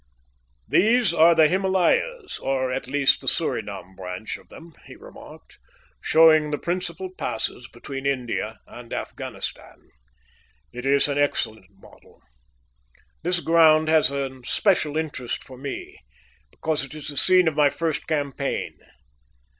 "These are the Himalayas, or at least the Surinam branch of them," he remarked, "showing the principal passes between India and Afghanistan. It is an excellent model. This ground has a special interest for me, because it is the scene of my first campaign.